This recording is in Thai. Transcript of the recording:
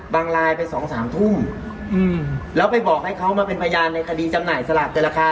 บางลายไปสองสามทุ่มอืมแล้วไปบอกให้เขามาเป็นพญานในคดีจำนายสลัดเกินราคา